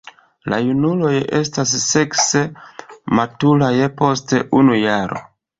La junuloj estas sekse maturaj post unu jaro.